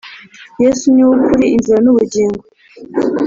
yesu niwe ukuri, inzira nubugingo